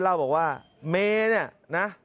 เล่าบอกว่าเมย์เนี่ยนะ